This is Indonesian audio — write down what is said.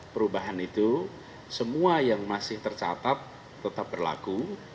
perubahan itu semua yang masih tercatat tetap berlaku